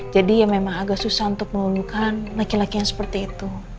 jadi ya memang agak susah untuk melunuhkan laki laki yang seperti itu